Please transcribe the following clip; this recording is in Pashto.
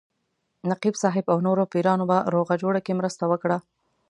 نقیب صاحب او نورو پیرانو په روغه جوړه کې مرسته وکړه.